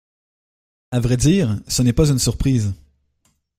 À vrai dire, ce n’est pas une surprise.